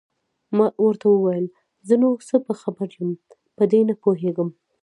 ما ورته وویل: زه نو څه په خبر یم، په دې نه پوهېږم.